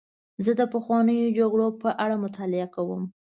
زه د پخوانیو جګړو په اړه مطالعه کوم.